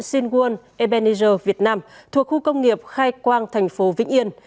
sinh nguồn ebenezer việt nam thuộc khu công nghiệp khai quang thành phố vĩnh yên